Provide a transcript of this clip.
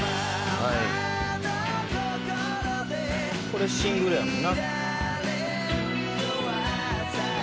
「これシングルやもんな」